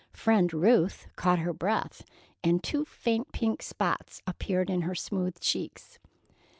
Friend Ruth caught her breath, and two faint pink spots appeared in her smooth cheeks.